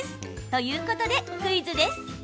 ということでクイズです。